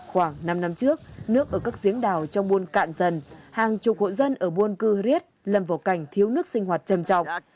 khoảng năm năm trước nước ở các giếng đào trong buôn cạn dần hàng chục hộ dân ở buôn cư riết lâm vào cảnh thiếu nước sinh hoạt trầm trọng